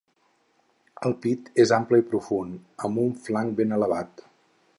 El pit és ample i profund, amb un flanc ben elevat.